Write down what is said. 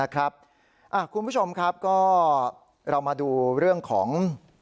คุณผู้ชมครับก็เรามาดูเรื่องของ